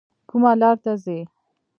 کومه لار ته ځئ؟